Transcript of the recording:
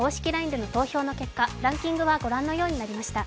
ＬＩＮＥでの投票の結果、ランキングはご覧のようになりました。